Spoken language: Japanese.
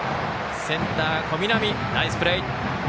センター、小南ナイスプレー。